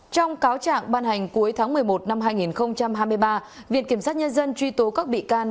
trong cáo trạng ban hành cuối tháng một mươi một năm hai nghìn hai mươi ba viện kiểm sát nhân dân truy tố các bị can